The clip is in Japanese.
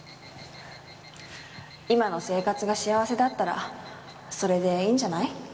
今の生活が幸せだったらそれでいいんじゃない？